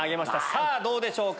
さぁどうでしょうか？